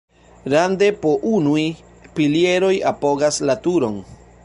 Rande po unuj pilieroj apogas la turon.